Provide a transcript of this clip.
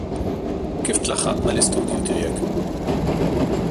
Kif tlaħħaq mal-istudju tiegħek?